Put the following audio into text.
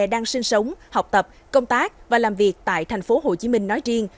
đang sinh sống học tập công tác và làm việc tại tp hcm nói riêng